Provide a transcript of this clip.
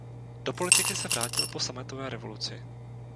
Do politiky se vrátil po sametové revoluci.